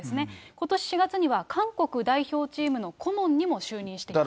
ことし４月には韓国代表チームの顧問にも就任しています。